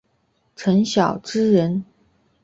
陈尧咨人。